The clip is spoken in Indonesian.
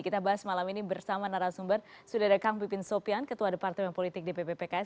kita bahas malam ini bersama narasumber sudah ada kang pipin sopian ketua departemen politik dpp pks